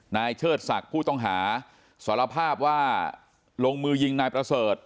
เชิดศักดิ์ผู้ต้องหาสารภาพว่าลงมือยิงนายประเสริฐ